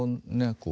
こう